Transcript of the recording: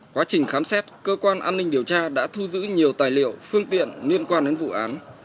quá trình khám xét cơ quan an ninh điều tra đã thu giữ nhiều tài liệu phương tiện liên quan đến vụ án